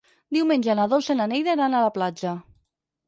Diumenge na Dolça i na Neida iran a la platja.